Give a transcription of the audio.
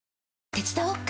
手伝おっか？